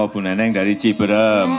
bu neneng dari ciberem